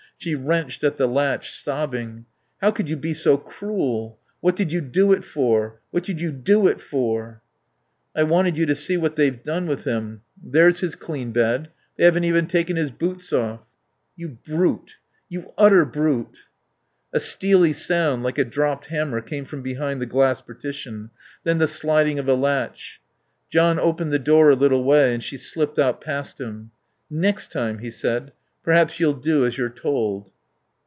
She wrenched at the latch, sobbing. "How could you be so cruel? What did you do it for? What did you do it for?" "I wanted you to see what they've done with him. There's his clean bed. They haven't even taken his boots off." "You brute. You utter brute!" A steely sound like a dropped hammer came from behind the glass partition; then the sliding of a latch. John opened the door a little way and she slipped out past him. "Next time," he said, "perhaps you'll do as you're told."